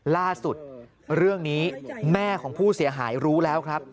ล่าสุดเรื่องนี้แม่ของผู้เสียหายรู้แล้วครับ